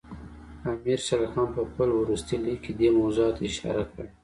امیر شېر علي خان په خپل وروستي لیک کې دې موضوعاتو ته اشاره کړې.